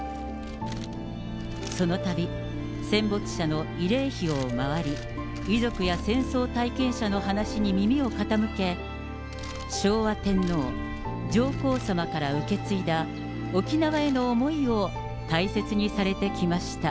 そのたび、戦没者の慰霊碑を回り、遺族や戦争体験者の話に耳を傾け、昭和天皇、上皇さまから受け継いだ沖縄への思いを大切にされてきました。